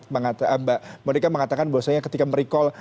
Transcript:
mbak modeka mengatakan bahwasannya ketika merecall